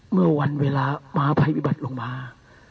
เมื่อวันเวลาม้าภัยพิบัติลงมา